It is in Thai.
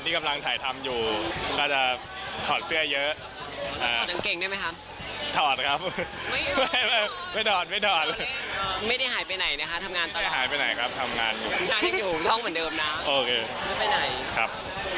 ทั้ง๓เหมือนเดิมตอนนี้เพิ่งเซ็นใบ๕ครับ